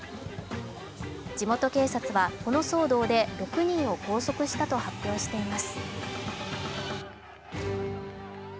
地元警察はこの騒動で６人を拘束したと発表しています。